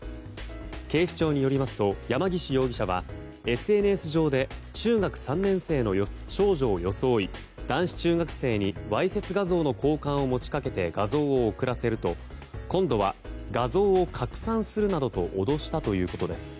警視庁によりますと山岸容疑者はＳＮＳ上で中学３年生の少女を装い男子中学生にわいせつ画像の交換を持ち掛けて画像を送らせると今度は、画像を拡散するなどと脅したということです。